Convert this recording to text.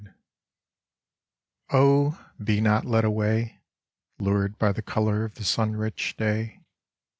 . 64 OH, be not led away, Lured by the colour of the sun rich day.